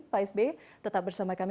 pak s b tetap bersama kami